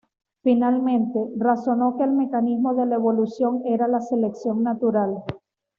Finalmente, razonó que el mecanismo de la evolución era la selección natural".